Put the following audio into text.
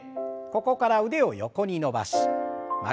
ここから腕を横に伸ばし曲げて。